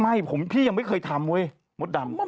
ไม่ผมพี่ยังไม่เคยทำเว้ยมดดำ